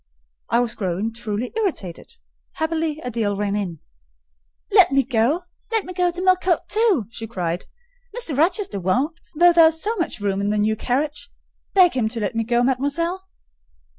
I was growing truly irritated: happily, Adèle ran in. "Let me go,—let me go to Millcote too!" she cried. "Mr. Rochester won't: though there is so much room in the new carriage. Beg him to let me go, mademoiselle."